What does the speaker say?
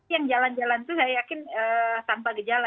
yang jalan jalan itu saya yakin tanpa gejala